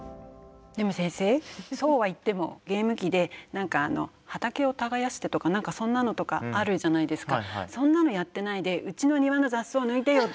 でも先生そうは言ってもゲーム機で畑を耕してとかなんかそんなのとかあるじゃないですか。